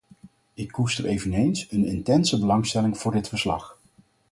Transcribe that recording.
Ik koester eveneens een intense belangstelling voor dit verslag.